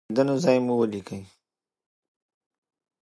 د زیږیدو ځای مو ولیکئ.